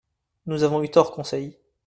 —Nous avons eu tort, Conseil.